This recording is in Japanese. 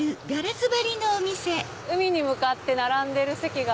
海に向かって並んでる席が。